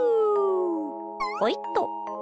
ほいっと！